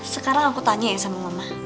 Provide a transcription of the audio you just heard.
sekarang aku tanya ya sama mama